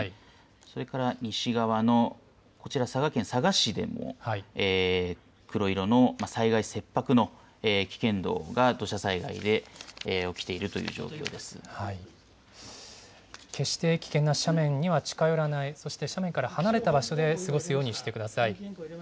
それから西側のこちら、佐賀県佐賀市でも黒色の災害切迫の危険度が土砂災害で起きている決して危険な斜面には近寄らない、そして斜面から離れた場所で過ごすようにしてください。